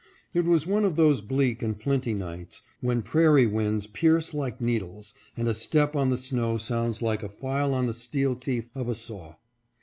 It was one of those bleak and flinty nights, when prairie winds pierce like needles, and a step on the snow sounds like a file on the steel teeth of a saw.